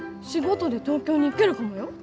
仕事で東京に行けるかもよ？